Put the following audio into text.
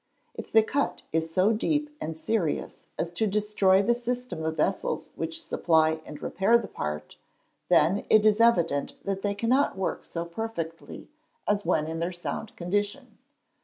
_ If the cut is so deep and serious as to destroy the system of vessels which supply and repair the part, then it is evident that they cannot work so perfectly as when in their sound condition.